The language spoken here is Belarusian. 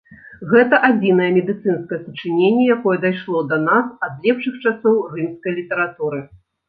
Гэта адзінае медыцынскае сачыненне, якое дайшло да нас ад лепшых часоў рымскай літаратуры.